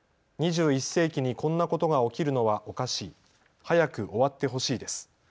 ２１世紀にこんなことが起きるのはおかしい、早く終わってほしいです。